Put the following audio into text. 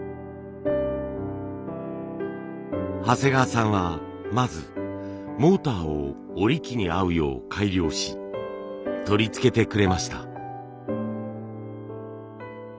長谷川さんはまずモーターを織り機に合うよう改良し取り付けてくれました。